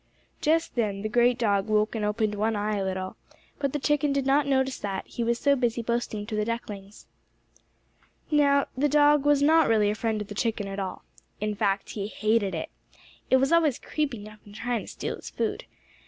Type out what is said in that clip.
Just then the great dog woke and opened one eye a little, but the chicken did not notice that, he was so busy boasting to the ducklings. Now the dog was not really a friend of the chicken at all. In fact he hated it. It was always creeping up and trying to steal his food.